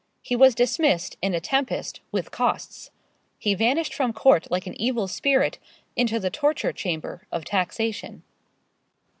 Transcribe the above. He was dismissed, in a tempest, with costs. He vanished from court, like an evil spirit, into the torture chamber of taxation.